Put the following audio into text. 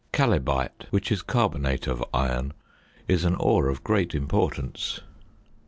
Chalybite, which is carbonate of iron, is an ore of great importance.